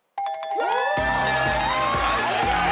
はい正解。